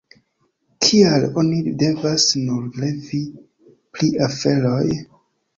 Kial oni devas nur revi pri aferoj?